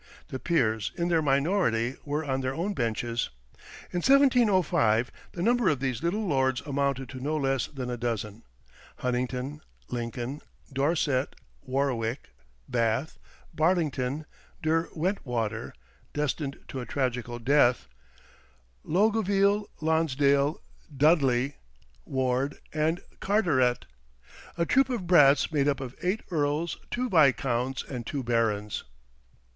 The peers in their minority were on their own benches. In 1705 the number of these little lords amounted to no less than a dozen Huntingdon, Lincoln, Dorset, Warwick, Bath, Barlington, Derwentwater destined to a tragical death Longueville, Lonsdale, Dudley, Ward, and Carteret: a troop of brats made up of eight earls, two viscounts, and two barons.